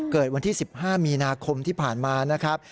เกิดวันที่๑๕มีนาคมที่ผ่านมานะครับ